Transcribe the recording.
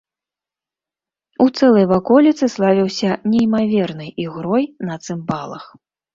У цэлай ваколіцы славіўся неймавернай ігрой на цымбалах.